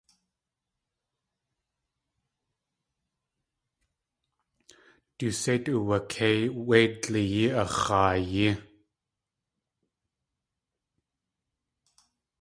Du séit uwakéi wé dleey ax̲aayí.